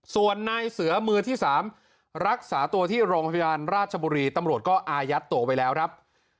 ส่วนนายเสือมือที่๓รักษาตัวที่โรงพยาบาลราชบุรีตำรวจก็อายัดตัวไว้แล้วครับ